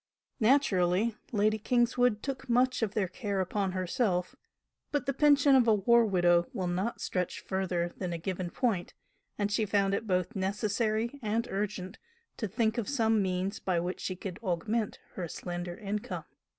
Naturally, Lady Kingswood took much of their care upon herself but the pension of a war widow will not stretch further than a given point, and she found it both necessary and urgent to think of some means by which she could augment her slender income.